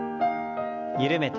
緩めて。